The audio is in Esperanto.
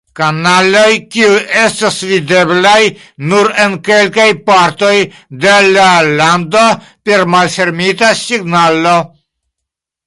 Kanaloj kiuj estas videblaj nur en kelkaj partoj de la lando per malfermita signalo.